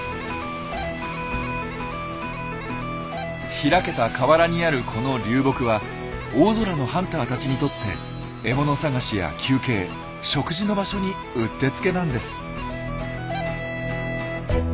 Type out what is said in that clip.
開けた河原にあるこの流木は大空のハンターたちにとって獲物探しや休憩食事の場所にうってつけなんです。